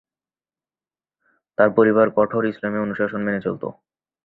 তার পরিবার কঠোর ইসলামি অনুশাসন মেনে চলত।